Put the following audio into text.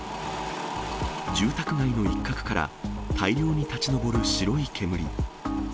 住宅街の一角から、大量に立ち上る白い煙。